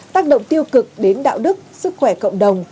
tác động tiêu cực đến đạo đức sức khỏe cộng đồng